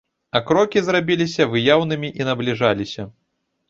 А крокі зрабіліся выяўнымі і набліжаліся.